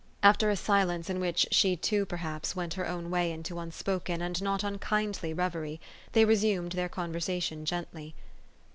After a silence in which she too, perhaps, went her own way into unspoken and not unkindly revery, they resumed their conversation gently.